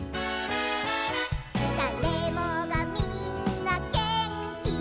「だれもがみんなげんき」